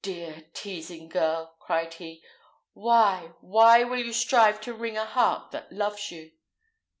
"Dear teasing girl!" cried he; "why, why will you strive to wring a heart that loves you?"